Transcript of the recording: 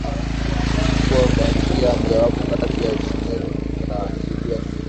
kuwa kwaNjia mojawapo kati ya nyinginezo za kutibiwa ni ile